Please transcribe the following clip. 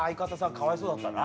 かわいそうだったな。